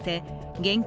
現金